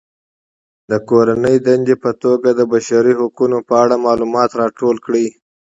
د کورنۍ دندې په توګه د بشري حقونو په اړه معلومات راټول کړئ.